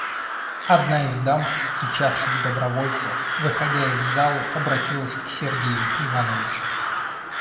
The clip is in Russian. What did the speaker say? Одна из дам, встречавших добровольцев, выходя из залы, обратилась к Сергею Ивановичу.